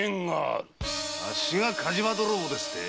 あっしが火事場泥棒ですって？